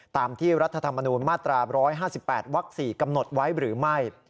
ตามที่รัฐธรรมนูญมาตรา๑๕๘วัก๔กำหนดไว้หรือไม่